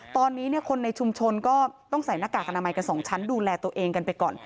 ตอนนี้คนในชุมชนก็ต้องใส่หน้ากากอนามัยกันสองชั้นดูแลตัวเองกันไปก่อน